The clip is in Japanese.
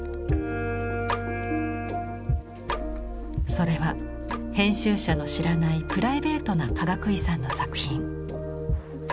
それは編集者の知らないプライベートなかがくいさんの作品。